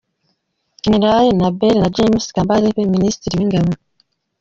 Gen Nabéré na Gen James Kabarebe Ministre w’Ingabo.